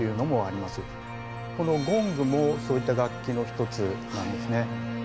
このゴングもそういった楽器の一つなんですね。